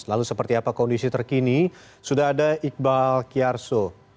lalu seperti apa kondisi terkini sudah ada iqbal kiarso